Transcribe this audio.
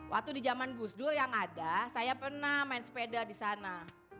waktu di zaman gus dur yang ada saya pernah main sepeda di sana